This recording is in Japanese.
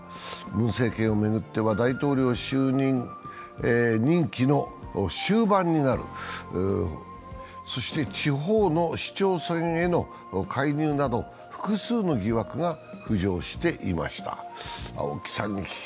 ムン政権を巡っては、大統領任期の終盤になる、そして地方の市長選への介入など複数の疑惑が浮上していました。